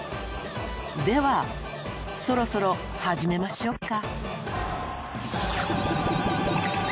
ではそろそろ始めましょうか。